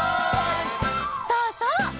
そうそう！